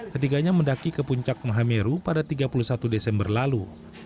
ketiganya mendaki ke puncak mahameru pada tiga puluh satu desember lalu